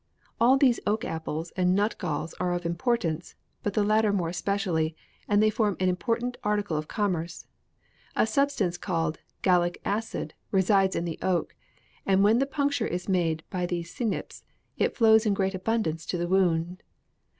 All these oak apples and nut galls are of importance, but the latter more especially, and they form an important article of commerce. A substance called "gallic acid" resides in the oak; and when the puncture is made by the cynips, it flows in great abundance to the wound.